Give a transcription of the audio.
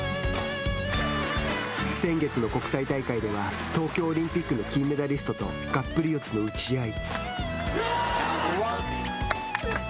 先月の国際大会では東京オリンピックの金メダリストとがっぷり四つの打ち合い。